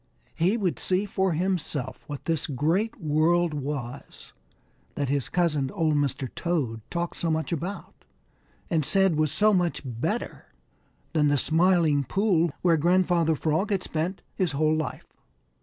He would see for himself what this Great World was that his cousin, old Mr. Toad, talked so much about and said was so much better than the Smiling Pool where Grandfather Frog had spent his whole life.